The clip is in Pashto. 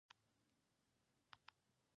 هغه د ښځو د حقونو لپاره مبارزه وکړه.